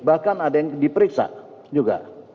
bahkan ada yang diperiksa juga